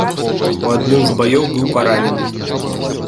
У адным з баёў быў паранены.